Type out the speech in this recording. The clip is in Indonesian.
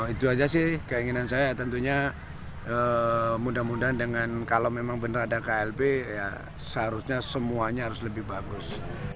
itu aja sih keinginan saya tentunya mudah mudahan dengan kalau memang benar ada klb ya seharusnya semuanya harus lebih bagus